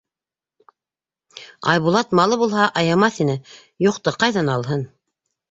Айбулат, малы булһа, аямаҫ ине, юҡты ҡайҙан алһын.